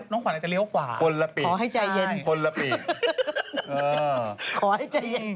ขวัญอาจจะเลี้ยวขวาคนละปีขอให้ใจเย็นคนละปีขอให้ใจเย็น